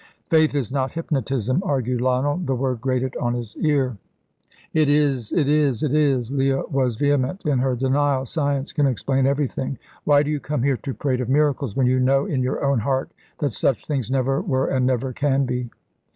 "Faith is not hypnotism," argued Lionel; the word grated on his ear. "It is it is it is!" Leah was vehement in her denial. "Science can explain everything. Why do you come here to prate of miracles, when you know in your own heart that such things never were and never can be?"